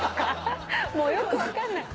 もうよく分かんない。